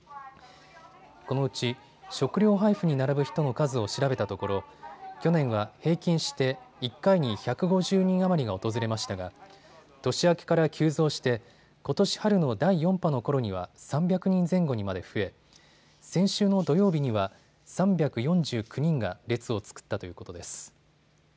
このうち食料配布に並ぶ人の数を調べたところ、去年は平均して１回に１５０人余りが訪れましたが年明けから急増してことし春の第４波のころには３００人前後にまで増え先週の土曜日には３４９人が列を作ったということです。